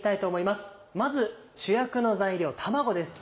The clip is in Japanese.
まず主役の材料卵です。